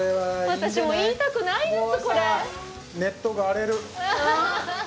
私も言いたくないです